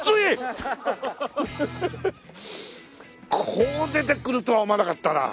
こう出てくるとは思わなかったな。